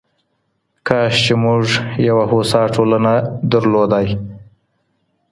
کاش چي موږ یوه هوسا ټولنه لرلای.